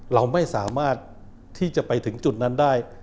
เราไม่สามารถที่จะไปถึงจุดนั้นได้